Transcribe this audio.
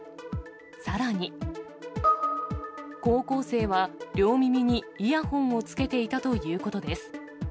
さらに、高校生は両耳にイヤホンをつけていたということです。